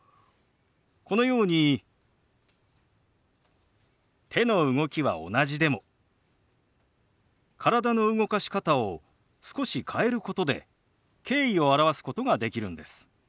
このように手の動きは同じでも体の動かし方を少し変えることで敬意を表すことができるんです。